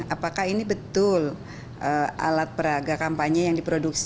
apakah ini betul alat peraga kampanye yang diproduksi